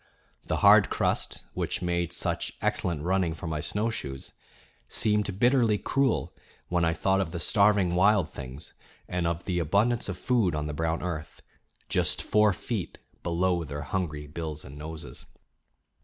The hard crust, which made such excellent running for my snowshoes, seemed bitterly cruel when I thought of the starving wild things and of the abundance of food on the brown earth, just four feet below their hungry bills and noses.